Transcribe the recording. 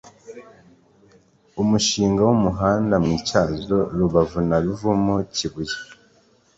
umushinga w'umuhanda mwityazo-rubavu na ruvumu-kibuye